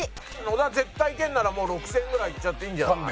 野田絶対いけるなら６０００ぐらいいっちゃっていいんじゃない？